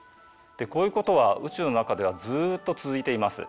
こういうことは宇宙の中ではずっと続いています。